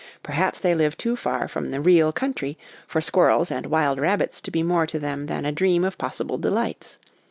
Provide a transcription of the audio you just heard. Perhaps they live too far from the 'real country* for squirrels and wild rabbits to be more to them than a dream of possible delights.